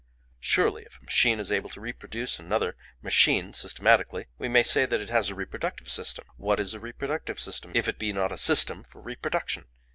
"Surely if a machine is able to reproduce another machine systematically, we may say that it has a reproductive system. What is a reproductive system, if it be not a system for reproduction?